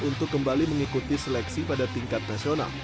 untuk kembali mengikuti seleksi pada tingkat nasional